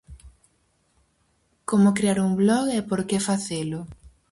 Como crear un blog e por que facelo.